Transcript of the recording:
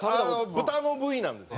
豚の部位なんですね。